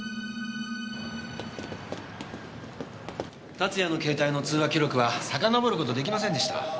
龍哉の携帯の通話記録はさかのぼる事出来ませんでした。